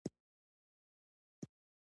د پغمان ګیلاس ډیر خوږ وي.